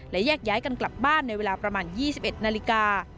และแยกย้ายกันกลับบ้านในเวลาประมาณ๒๑นาฬิกา